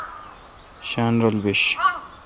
شاین رل بیش۔